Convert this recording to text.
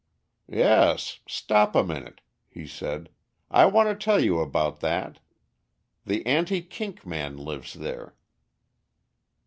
"Yes; stop a minute," he said, "I want to tell you about that. The anti kink man lives there."